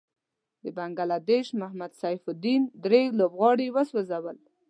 د بنګله دېش محمد سيف الدين دری لوبغاړی وسوځل.